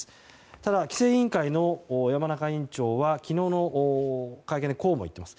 ただ規制委員会の山中委員長は昨日の会見でこうも言っています。